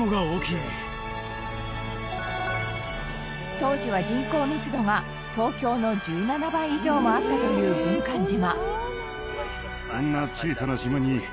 当時は人口密度が東京の１７倍以上もあったという軍艦島。